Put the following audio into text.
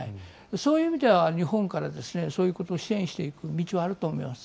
そういう意味では、日本からそういうことを支援していく道はあると思います。